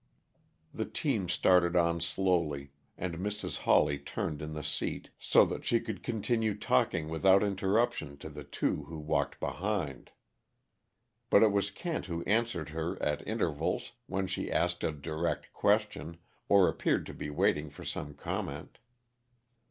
The team started on slowly, and Mrs. Hawley turned in the seat so that she could continue talking without interruption to the two who walked behind. But it was Kent who answered her at intervals, when she asked a direct question or appeared to be waiting for some comment.